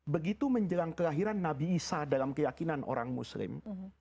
begitu menjelang kelahiran nabi isa dalam keyakinan orang muslim